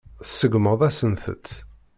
Tseggmeḍ-asent-tt.